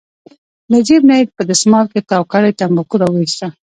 له جېب نه یې په دستمال کې تاو کړي تنباکو راوویستل.